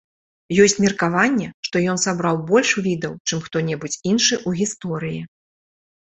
Ёсць меркаванне, што ён сабраў больш відаў, чым хто-небудзь іншы ў гісторыі.